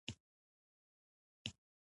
هغه د بودا ژوند لیک ولیکه